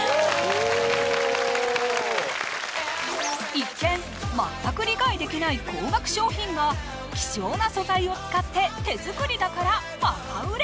一見全く理解できない高額商品が希少な素材を使って手作りだからバカ売れ！